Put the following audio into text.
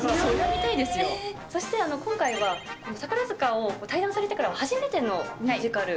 そして、今回は宝塚を退団されてからは初めてのミュージカル。